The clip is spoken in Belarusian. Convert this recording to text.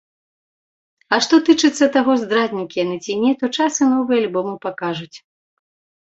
А што тычыцца таго, здраднікі яны ці не, то час і новыя альбомы пакажуць.